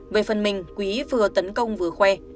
về phần mình quý vừa tấn công vừa khoe